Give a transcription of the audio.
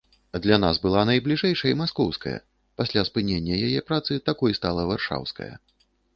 Для нас была найбліжэйшай маскоўская, пасля спынення яе працы такой стала варшаўская.